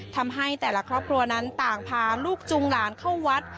ทำให้แต่ละครอบครัวนั้นต่างพาลูกจุงหลานเข้าวัด